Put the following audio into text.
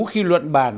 khi luận bàn